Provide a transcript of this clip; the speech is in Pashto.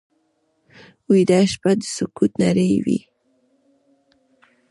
ویده شپه د سکوت نړۍ وي